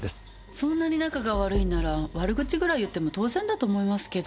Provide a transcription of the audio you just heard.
そんなに仲が悪いんなら悪口ぐらい言っても当然だと思いますけど。